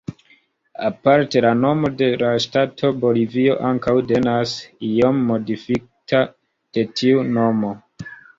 Aparte, la nomo de la ŝtato Bolivio ankaŭ devenas, iom modifita, de tiu nomo.